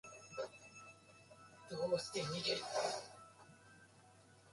君も私のことが見えるんだね、もしかして君もこっち側の人間なのか？